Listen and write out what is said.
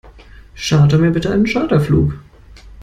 Charter mir bitte einen Charterflug.